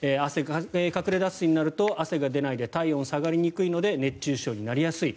隠れ脱水になると汗が出ないで体温が下がりにくいので熱中症になりやすい。